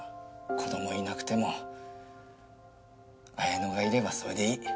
子どもいなくてもあやのがいればそれでいい。